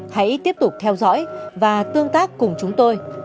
hãy tiếp tục theo dõi và tương tác cùng chúng tôi